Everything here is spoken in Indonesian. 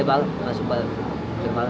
iya masuk balik